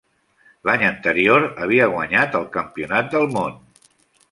L'any anterior havia guanyat el Campionat del món.